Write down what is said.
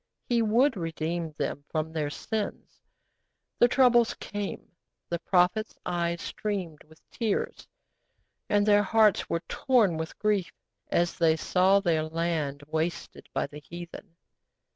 He would redeem them from their sins. The troubles came, the prophets' eyes streamed with tears, and their hearts were torn with grief as they saw their land wasted by the heathen.